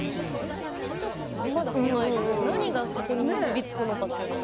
ピンとこないですけどそこに結び付くのかということが。